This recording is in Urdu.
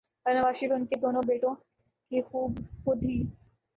اب نواز شریف اور ان کے دونوں بیٹوں کو خود ہی